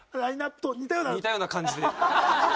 似たような感じで。